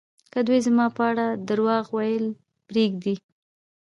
که دوی زما په اړه درواغ ویل پرېږدي